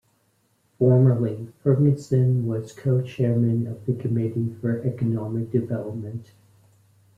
Formerly, Ferguson was Co-Chairman of the Committee for Economic Development.